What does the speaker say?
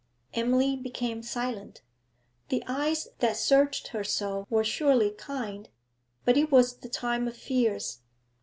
Emily became silent. The eyes that searched her so were surely kind, but it was the time of fears.